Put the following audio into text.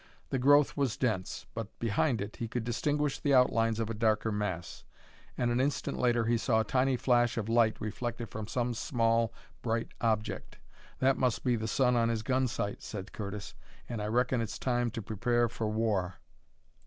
The growth was dense, but behind it he could distinguish the outlines of a darker mass, and an instant later he saw a tiny flash of light reflected from some small, bright object. "That must be the sun on his gun sight," said Curtis, "and I reckon it's time to prepare for war."